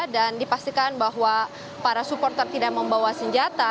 dan dipastikan bahwa para supporter tidak membawa senjata